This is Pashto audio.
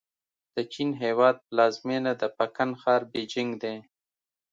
د چین هېواد پلازمېنه د پکن ښار بیجینګ دی.